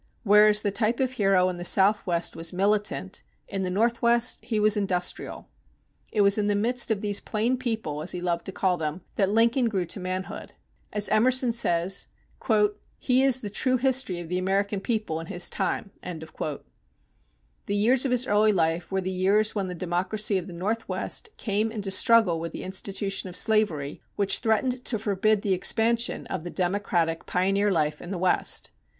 Whereas the type of hero in the Southwest was militant, in the Northwest he was industrial. It was in the midst of these "plain people," as he loved to call them, that Lincoln grew to manhood. As Emerson says: "He is the true history of the American people in his time." The years of his early life were the years when the democracy of the Northwest came into struggle with the institution of slavery which threatened to forbid the expansion of the democratic pioneer life in the West.